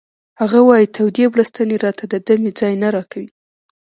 هغه وایی تودې بړستنې راته د دمې ځای نه راکوي